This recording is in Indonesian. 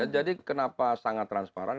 jadi kenapa sangat transparan